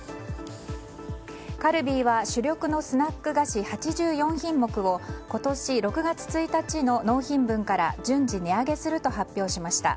カルビーは主力のスナック菓子８４品目を今年６月１日の納品分から順次、値上げすると発表しました。